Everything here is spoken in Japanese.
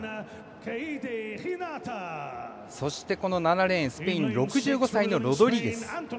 そしてこの７レーンスペイン６５歳のロドリゲス。